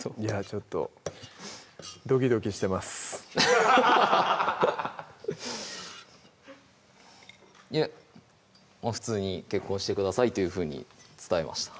ちょっとドキドキしてますいやもう普通に「結婚してください」というふうに伝えました